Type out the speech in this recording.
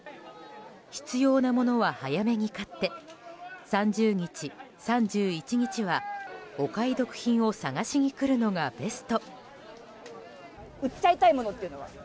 必要なものは早めに買って３０日、３１日はお買い得品を探しに来るのがベスト。